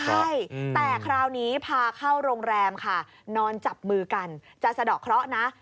ใช่แต่คราวนี้พาเข้าโรงแรมค่ะนอนจับมือกันจะสะดอกเคราะห์นะ